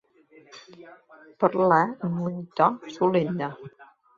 Parlà en un to solemne.